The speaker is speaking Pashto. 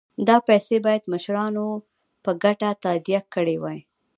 دا پیسې باید مشرانو په ګډه تادیه کړي وای.